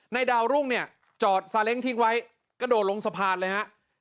ดาวรุ่งเนี่ยจอดซาเล้งทิ้งไว้กระโดดลงสะพานเลยฮะ